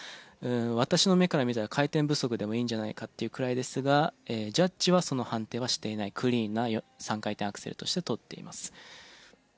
私の目から見たら回転不足でもいいんじゃないかっていうくらいですがジャッジはその判定はしていないクリーンな３回転アクセルとして取っています。